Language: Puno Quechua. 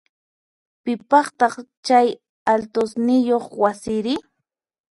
Piqpataq chay altosniyoq wasiri?